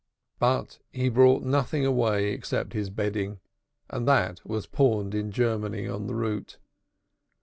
But he brought nothing away except his bedding, and that was pawned in Germany on the route.